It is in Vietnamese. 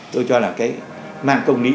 tôi cho là mang công lý